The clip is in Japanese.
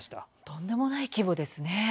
とんでもない規模ですね。